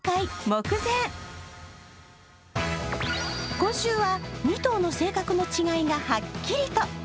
今週は、２頭の性格の違いがはっきりと。